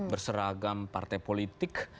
berseragam partai politik